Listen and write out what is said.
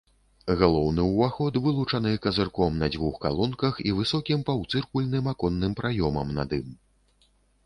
Галоўны ўваход вылучаны казырком на дзвюх калонках і высокім паўцыркульным аконным праёмам над ім.